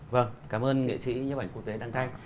vâng cảm ơn nghệ sĩ nhấp ảnh quốc tế đăng thanh